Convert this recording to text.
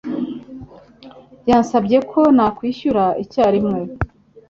Yansabye ko nakwishyura icyarimwe.